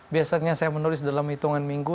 biasanya saya menulis dalam hitungan minggu